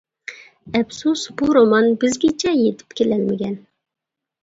ئەپسۇس، بۇ رومان بىزگىچە يېتىپ كېلەلمىگەن.